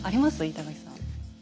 板垣さん。